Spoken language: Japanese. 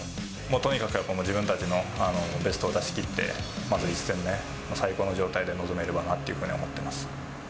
とにかく自分たちのベストを出しきって、まず１戦目、最高の状態で臨めればなっていうふうに考えています。